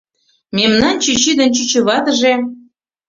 Мемнан чӱчӱ ден чӱчӱватыже